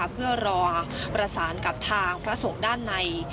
เพื่อรอประสานกับทางพระสงฆ์ด้านใน